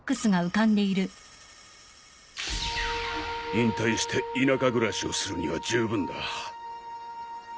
引退して田舎暮らしをするには十分だ。